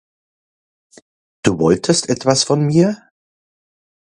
Du wolltest etwas von mir?